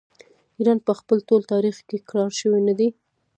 ایران په خپل ټول تاریخ کې کرار شوی نه دی.